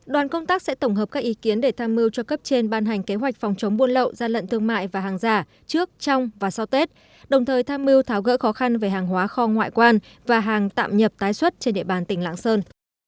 đoàn công tác sẽ tổng hợp các ý kiến để tham mưu cho cấp trên ban hành kế hoạch phòng chống buôn lậu gian lận thương mại và hàng giả trước trong và sau tết đồng thời tham mưu tháo gỡ khó khăn về hàng hóa kho ngoại quan và hàng tạm nhập tái xuất trên địa bàn tỉnh lạng sơn